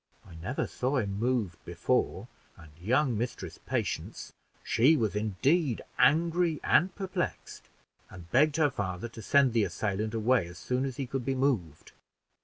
I never saw him moved before; and young Mistress Patience, she was indeed angry and perplexed, and begged her father to send the assailant away as soon as he could be moved.